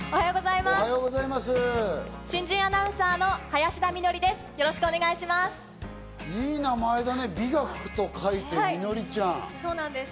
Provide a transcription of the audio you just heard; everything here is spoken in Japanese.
新人アナウンサーの林田美学です。